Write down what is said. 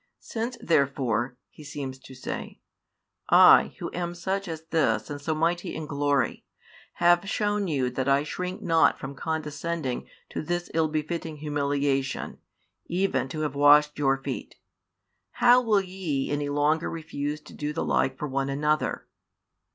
"Since therefore," [He seems to say,] "I, Who am such as this and so mighty in glory, have shown you that I shrink not from condescending to this ill befitting humiliation, even to have washed your feet, how will ye any longer refuse to do the like for one another?"